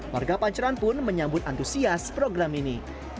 warga pancoran pun menyambut antusias program ini